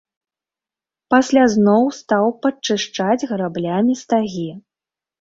Пасля зноў стаў падчышчаць граблямі стагі.